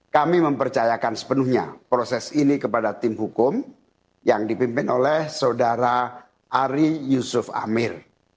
kami mempercayakan sepenuhnya proses ini kepada tim hukum yang dipimpin oleh saudara ari yusuf amir